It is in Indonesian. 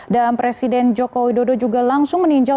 dan presiden jokowi dodo juga langsung meninjau